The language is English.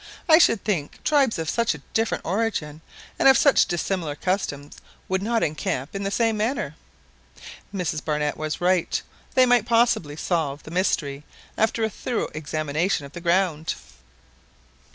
I should think tribes of such a different origin, and of such dissimilar customs, would not encamp in the same manner." Mrs Barnett was right; they might possibly solve the mystery after a thorough examination of the ground.